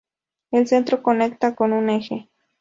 El centro conecta con un eje.